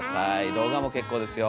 動画も結構ですよ。